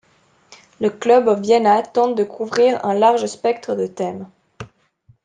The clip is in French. Le Club of Vienna tente de couvrir un large spectre de thèmes.